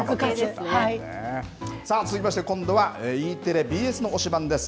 さあ、続きまして今度はＥテレ、ＢＳの推しバン！です。